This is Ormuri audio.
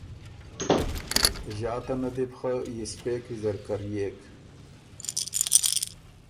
ݫاته نه دی بو خه یِسپېک ویزر کريېک۔